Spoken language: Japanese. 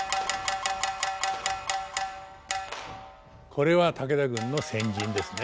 これは武田軍の先陣ですね。